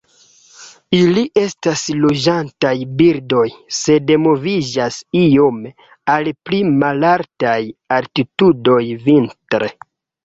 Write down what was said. Ili estas loĝantaj birdoj, sed moviĝas iome al pli malaltaj altitudoj vintre.